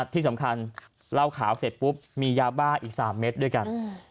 ที่สำคัญเหล้าขาวเสร็จปุ๊บมียาบ้าอีก๓เม็ดด้วยกัน